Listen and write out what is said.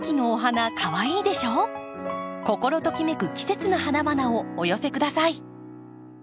心ときめく季節の花々をお寄せください。